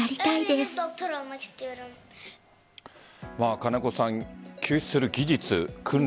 金子さん救出する技術、訓練